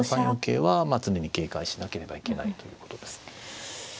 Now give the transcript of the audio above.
３四桂は常に警戒しなければいけないということです。